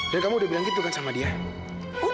dan kamu udah bilang gitu kan sayang